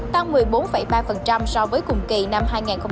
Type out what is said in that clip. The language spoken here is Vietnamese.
tăng một mươi bốn ba so với cùng kỳ năm hai nghìn hai mươi một